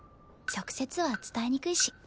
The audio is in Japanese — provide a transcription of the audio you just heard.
直接は伝えにくいし。